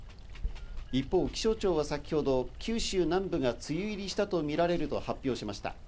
一方、気象庁は先ほど、九州南部が梅雨入りしたとみられると発表しました。